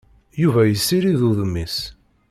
Yuba yessirid udem-is.